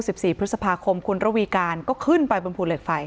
สิบสี่พฤษภาคมคุณระวีการก็ขึ้นไปบนภูเหล็กไฟ